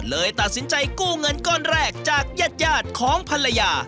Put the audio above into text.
เลยตัดสินใจกู้เงินก้อนแรกจากญาติของภรรยา